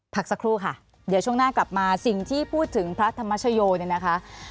พักสักครู่ค่ะเดี๋ยวช่วงหน้ากลับมาสิ่งที่พูดถึงพระธรรมชโยเนี่ยนะคะ